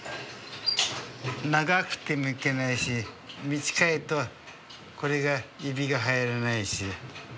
長くてもいけないし短いとこれが指が入らないし。